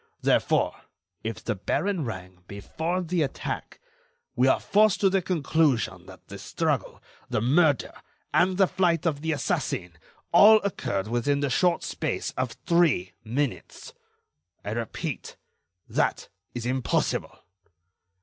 Therefore, if the baron rang before the attack, we are forced to the conclusion that the struggle, the murder and the flight of the assassin, all occurred within the short space of three minutes. I repeat: that is impossible."